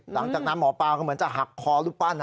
หลังจากนั้นหมอปลาก็เหมือนจะหักคอรูปปั้น